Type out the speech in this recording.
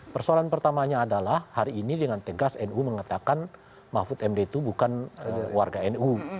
persoalan pertamanya adalah hari ini dengan tegas nu mengatakan mahfud md itu bukan warga nu